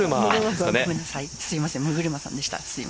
すみません、六車さんでした。